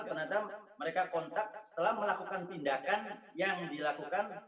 ternyata mereka kontak setelah melakukan tindakan yang dilakukan